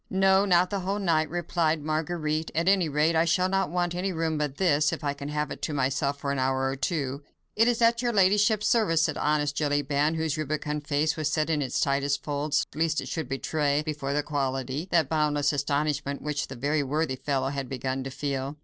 "No! not the whole night," replied Marguerite. "At any rate, I shall not want any room but this, if I can have it to myself for an hour or two." "It is at your ladyship's service," said honest Jellyband, whose rubicund face was set in its tightest folds, lest it should betray before "the quality" that boundless astonishment which the worthy fellow had begun to feel.